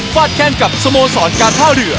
ดแข้งกับสโมสรการท่าเรือ